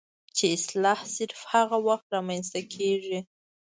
چې اصلاح صرف هغه وخت رامنځته کيږي